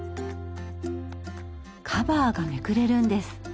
カバーがめくれるんです。